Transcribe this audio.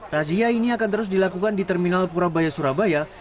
razia ini akan terus dilakukan di terminal purabaya surabaya